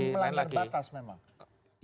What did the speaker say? melanggar batas memang